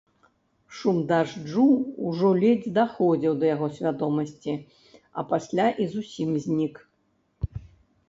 Шум дажджу ўжо ледзь даходзіў да яго свядомасці, а пасля і зусім знік.